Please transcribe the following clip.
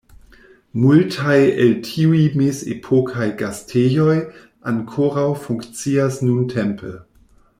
Multaj el tiuj mezepokaj gastejoj ankoraŭ funkcias nuntempe.